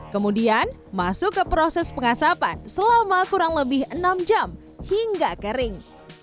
kemudian masuk ke proses pengasapan selama kurang lebih enam jam hingga kering